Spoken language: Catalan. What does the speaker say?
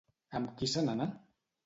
Amb qui se n'anà?